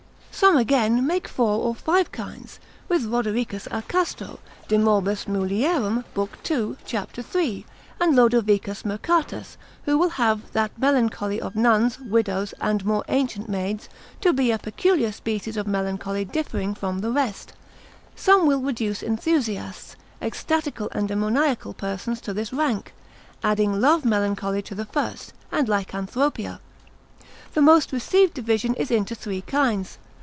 Some again make four or five kinds, with Rodericus a Castro, de morbis mulier. lib. 2. cap. 3. and Lod. Mercatus, who in his second book de mulier. affect. cap. 4. will have that melancholy of nuns, widows, and more ancient maids, to be a peculiar species of melancholy differing from the rest: some will reduce enthusiasts, ecstatical and demoniacal persons to this rank, adding love melancholy to the first, and lycanthropia. The most received division is into three kinds.